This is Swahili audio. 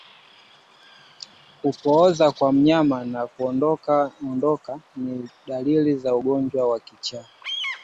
Kupooza kwa mnyama na kudondokadondoka ni dalili za ugonjwa wa kichaa